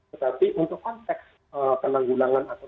tetapi untuk konteks penanggulangan atau